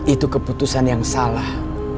itu keputusan yang salah